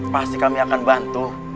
pasti kami akan bantu